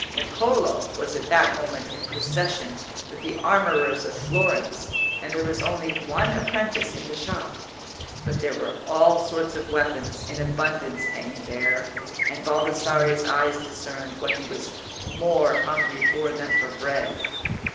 Niccolò was at that moment in procession with the armourers of Florence, and there was only one apprentice in the shop. But there were all sorts of weapons in abundance hanging there, and Baldassarre's eyes discerned what he was more hungry for than for bread.